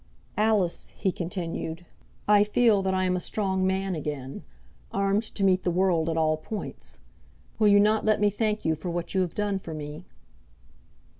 "Alice," he continued, "I feel that I am a strong man again, armed to meet the world at all points. Will you not let me thank you for what you have done for me?"